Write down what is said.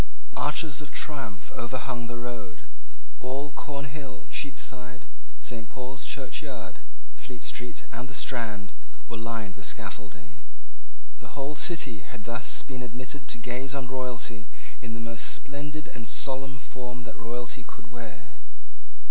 Arches of triumph overhung the road. All Cornhill, Cheapside, Saint Paul's Church Yard, Fleet Street, and the Strand, were lined with scaffolding. The whole city had thus been admitted to gaze on royalty in the most splendid and solemn form that royalty could wear.